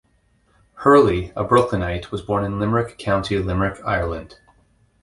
Hurley, a Brooklynite, was born in Limerick, County Limerick, Ireland.